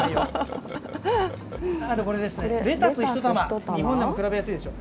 あとこれレタス１玉、日本と比べやすいでしょ。